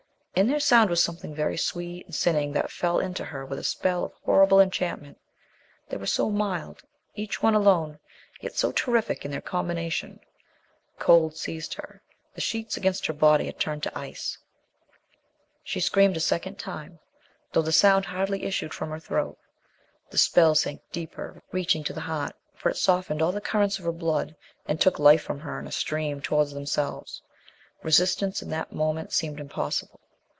In their sound was something very sweet and sinning that fell into her with a spell of horrible enchantment. They were so mild, each one alone, yet so terrific in their combination. Cold seized her. The sheets against her body had turned to ice. She screamed a second time, though the sound hardly issued from her throat. The spell sank deeper, reaching to the heart; for it softened all the currents of her blood and took life from her in a stream towards themselves. Resistance in that moment seemed impossible.